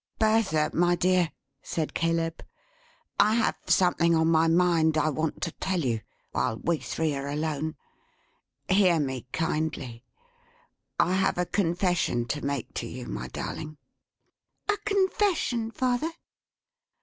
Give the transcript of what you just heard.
"Bertha, my dear!" said Caleb, "I have something on my mind I want to tell you, while we three are alone. Hear me kindly! I have a confession to make to you, my Darling." "A confession, father?"